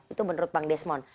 itu menurut bang desmond